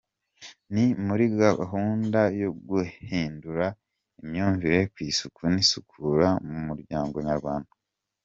Ni muri gahunda yo guhindura imyumvire ku isuku n’isukura mu muryango Nyarwanda.